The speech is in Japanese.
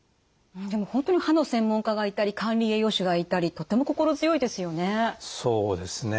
でも本当に歯の専門家がいたり管理栄養士がいたりとっても心強いですよね。